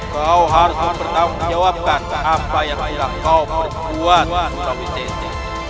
kau harus bertanggung jawabkan apa yang bilang kau berbuat surowisesa